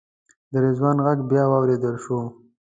د رضوان غږ بیا واورېدل شو.